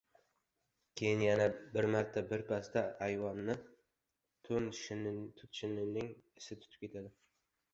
Keyin yana bir marta. Birpasda ayvonni tut shinnining isi tutib ketadi...